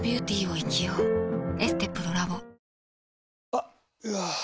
あっ、うわー。